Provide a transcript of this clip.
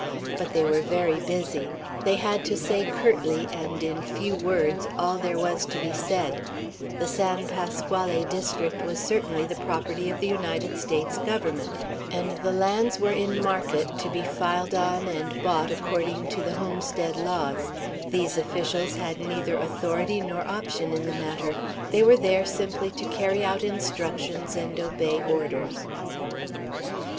But they were very busy; they had to say curtly, and in few words, all there was to be said: the San Pasquale district was certainly the property of the United States Government, and the lands were in market, to be filed on, and bought, according to the homestead laws, These officials had neither authority nor option in the matter. They were there simply to carry out instructions, and obey orders.